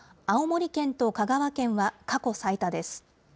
青森県と香川県は過去最多です。